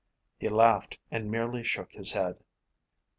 He laughed and merely shook his head.